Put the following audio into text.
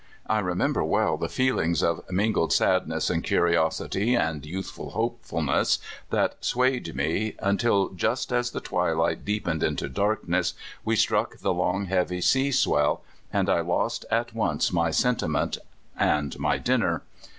I remember well the feelings of mingled sadness and curiosity and youthful hopefulness that swayed me, until just as the twilight deepened into dark ness we struck the long, heavy sea swell, and I lost at once my sentiment and my dinner.